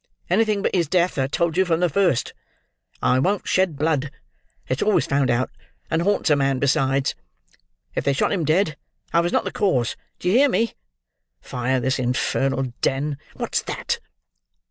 Anything but his death, I told you from the first. I won't shed blood; it's always found out, and haunts a man besides. If they shot him dead, I was not the cause; do you hear me? Fire this infernal den! What's that?"